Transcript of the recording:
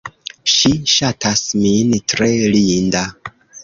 Ŝi ŝatas min. Tre linda.